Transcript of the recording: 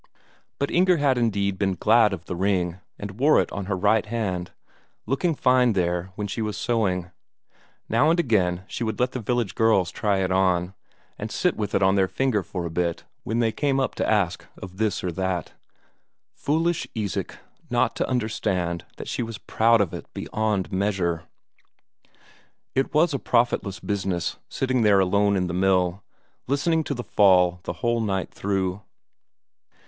But Inger had indeed been glad of the ring, and wore it on her right hand, looking fine there when she was sewing; now and again she would let the village girls try it on, and sit with it on their finger for a bit when they came up to ask of this or that. Foolish Isak not to understand that she was proud of it beyond measure!... It was a profitless business sitting there alone in the mill, listening to the fall the whole night through.